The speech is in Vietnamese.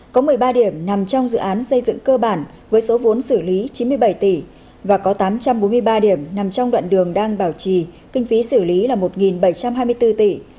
có một mươi ba điểm nằm trong dự án xây dựng cơ bản với số vốn xử lý chín mươi bảy tỷ và có tám trăm bốn mươi ba điểm nằm trong đoạn đường đang bảo trì kinh phí xử lý là một bảy trăm hai mươi bốn tỷ